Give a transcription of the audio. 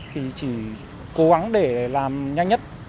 thì chỉ cố gắng để làm nhanh nhất